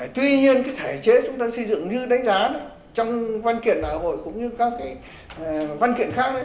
các văn kiện đại hội cũng như các văn kiện khác